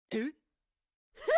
えっ？